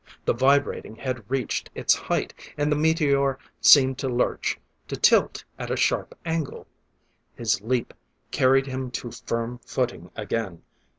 The vibrating had reached its height, and the meteor seemed to lurch, to tilt at a sharp angle. His leap carried him to firm footing again.